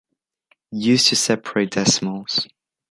Used to separate decimals.